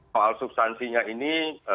soal substansinya ini